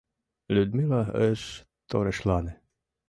Людмила ыш торешлане.